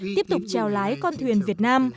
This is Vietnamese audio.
tiếp tục trèo lái con thuyền việt nam